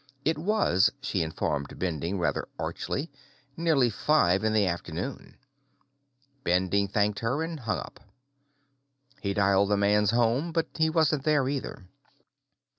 It was, she informed Bending rather archly, nearly five in the afternoon. Bending thanked her and hung up. He dialed the man's home, but he wasn't there, either.